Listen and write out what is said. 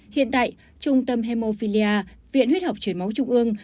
hiện tại trung tâm hemophilia viện huyết học truyền máu trung ương